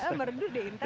merenduh deh intan